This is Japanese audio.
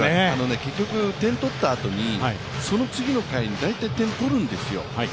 結局、点を取ったあとに、その次の回に大体、点を取るんですよ。